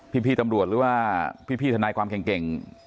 พี่ตำรวจหรือว่าพี่ทนายความเก่ง